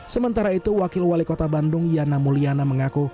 sementara itu wakil wali kota bandung yana mulyana mengaku